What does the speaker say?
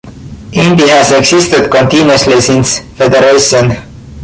Indi has existed continuously since Federation.